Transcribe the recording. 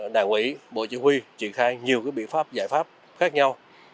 đảng ủy bộ chủ huy truyền khai nhiều cái biện pháp giải pháp khác nhau